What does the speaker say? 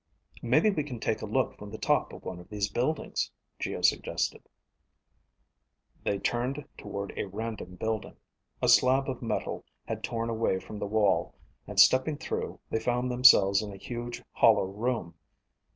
"Maybe we can take a look from the top of one of these buildings," Geo suggested. They turned toward a random building. A slab of metal had torn away from the wall, and stepping through, they found themselves in a huge hollow room.